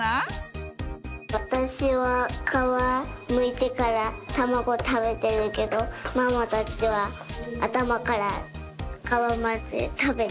わたしはかわむいてからたまごたべてるけどママたちはあたまからかわまでたべてる。